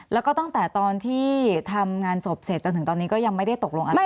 แล้วก็ตั้งแต่ตอนที่ทำงานศพเสร็จจนถึงตอนนี้ก็ยังไม่ได้ตกลงอะไร